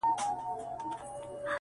په پايله کي ويلای سو